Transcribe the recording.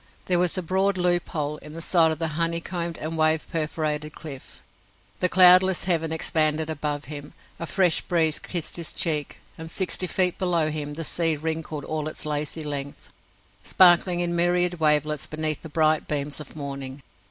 There was a broad loop hole in the side of the honey combed and wave perforated cliff. The cloudless heaven expanded above him; a fresh breeze kissed his cheek and, sixty feet below him, the sea wrinkled all its lazy length, sparkling in myriad wavelets beneath the bright beams of morning.